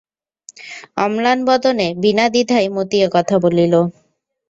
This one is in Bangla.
অম্লান বদনে বিনাদ্বিধায় মতি একথা বলিল।